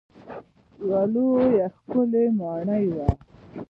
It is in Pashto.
یوه لویه ښکلې ماڼۍ وه.